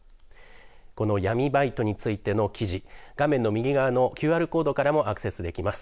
この闇バイトについての記事画面の右側のＱＲコードからもアクセスできます。